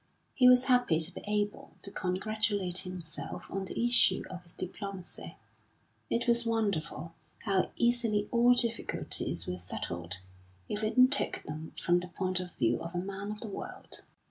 He was happy to be able to congratulate himself on the issue of his diplomacy; it was wonderful how easily all difficulties were settled, if one took them from the point of view of a man of the world.